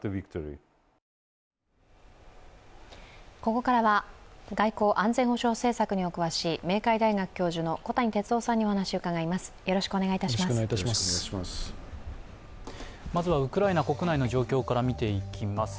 ここからは外交・安全保障政策にお詳しい明海大学教授の小谷哲男さんにお話を伺います。